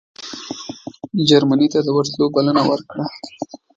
جرمني ته د ورتلو بلنه ورکړه.